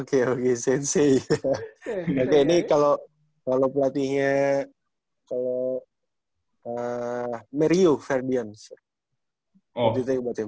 oke oke sensei oke ini kalo pelatihnya kalo ah mary yu ferdians apa yang lu pikirin soal dia